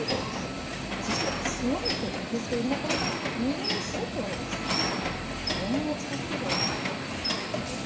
そしてスワイプですけれども、これも右にシュッと動かすと、擬音を使って表現するということです。